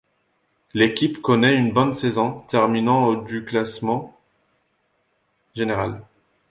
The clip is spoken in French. L’équipe connaît une bonne saison, terminant au du classement général.